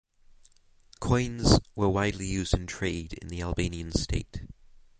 Coins were widely used in trade in the Albanian state.